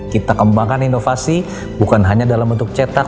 kita kembangkan inovasi bukan hanya dalam bentuk cetak